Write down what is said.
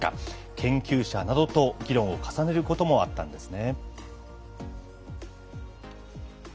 研究者などと議論を重ねることもあったんですね。